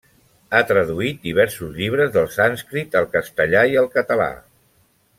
Ha traduït diversos llibres del sànscrit al castellà i al català.